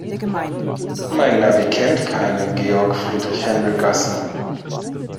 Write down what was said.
Mein Navi kennt keine Georg-Friedrich-Händel-Gasse.